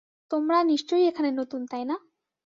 তোমরা নিশ্চয়ই এখানে নতুন, তাই না?